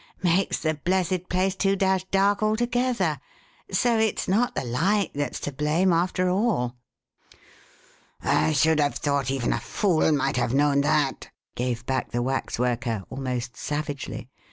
Makes the blessed place too dashed dark altogether; so it's not the light that's to blame after all." "I should have thought even a fool might have known that!" gave back the waxworker, almost savagely.